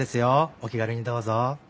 お気軽にどうぞ。